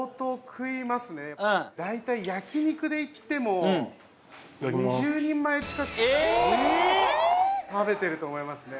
だいたい焼肉でいっても２０人前近く食べてると思いますね。